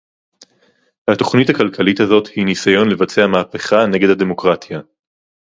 התוכנית הכלכלית הזאת היא ניסיון לבצע מהפכה נגד הדמוקרטיה